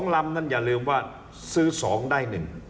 ลำนั้นอย่าลืมว่าซื้อ๒ได้๑